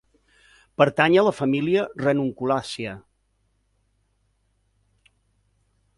Pertany a la família Ranunculàcia.